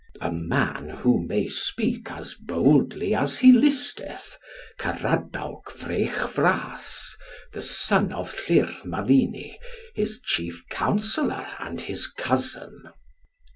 "A man who may speak as boldly as he listeth, Caradawc Vreichvras, the son of Llyr Marini, his chief counsellor and his cousin."